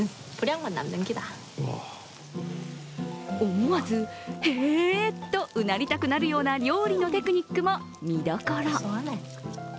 思わず「へえ！」とうなりたくなるような料理のテクニックも見どころ。